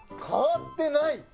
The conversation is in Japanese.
変わってない。